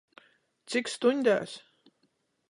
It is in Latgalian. Cik stuņdēs?